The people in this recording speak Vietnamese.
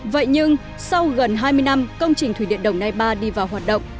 vậy nhưng sau gần hai mươi năm công trình thủy điện đồng nai ba đi vào hoạt động